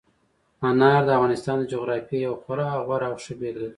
انار د افغانستان د جغرافیې یوه خورا غوره او ښه بېلګه ده.